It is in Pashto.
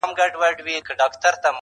چي عبرت سي بل نا اهله او ګمراه ته.